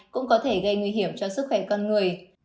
cũng có thể gây nguy hiểm cho sức khỏe con người